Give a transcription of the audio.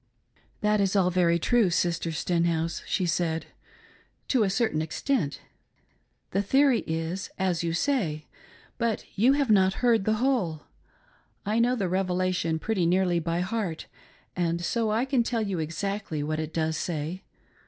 " That is all very true, Sister Stenhouse," she said, " to a certain extent. The theory is as you say, but you have not heard the whole. I know the Revelation pretty nearly by heart and so I can tell you exactly what it does say.